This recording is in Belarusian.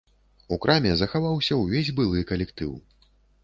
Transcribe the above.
У краме захаваўся ўвесь былы калектыў.